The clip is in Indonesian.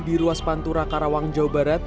di ruas pantura karawang jawa barat